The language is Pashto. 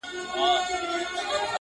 نن پښتون پر ویښېدو دی!!